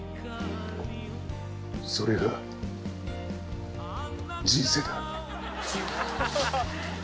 それが人生だ。